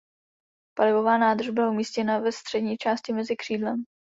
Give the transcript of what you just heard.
Palivová nádrž byla umístěna ve střední části mezi křídlem.